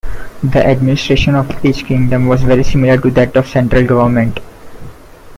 The administration of each kingdom was very similar to that of the central government.